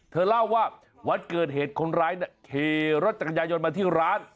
เธอเล่าว่าวันเกิดเหตุคนร้ายขี่รถจักรยายนมาที่ร้าน